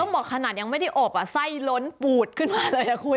บอกขนาดยังไม่ได้อบไส้ล้นปูดขึ้นมาเลยคุณ